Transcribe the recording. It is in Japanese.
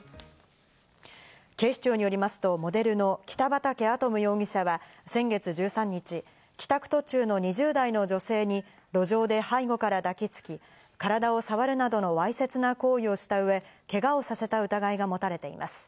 警視庁によりますとモデルの北畠亜都夢容疑者は先月１３日、帰宅途中の２０代の女性に路上で背後から抱きつき、体を触るなどのわいせつな行為をしたうえ、けがをさせた疑いが持たれています。